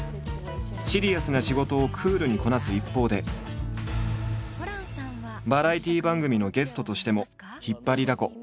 シリアスな仕事をクールにこなす一方でバラエティー番組のゲストとしても引っ張りだこ。